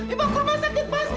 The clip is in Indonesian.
ibu bawa ke rumah sakit pasti